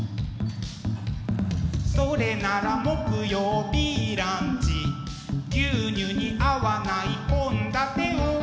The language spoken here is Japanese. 「それなら木曜Ｂランチ」「牛乳に合わない献立を！」